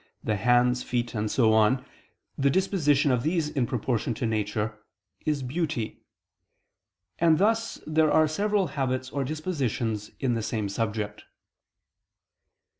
the hands, feet, and so on, the disposition of these in proportion to nature, is beauty: and thus there are several habits or dispositions in the same subject.